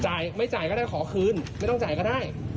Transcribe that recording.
ไม่จ่ายก็ได้ขอคืนไม่ต้องจ่ายก็ได้